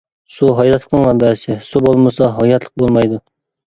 سۇ ھاياتلىقنىڭ مەنبەسى، سۇ بولمىسا ھاياتلىق بولمايدۇ.